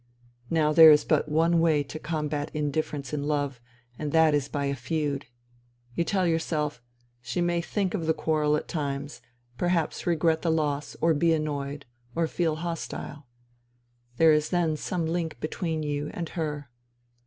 Now there is but one way to combat indifference in love, and that is by a feud. You tell yourself : She may think of the quarrel at times, perhaps regret the loss, or be annoyed, or feel hostile. There is then some link between you and her.